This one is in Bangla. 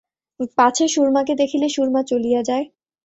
পাছে সুরমাকে দেখিলে সুরমা চলিয়া যায়।